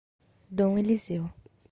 Dom Eliseu